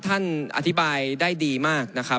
ท่านอธิบายได้ดีมาก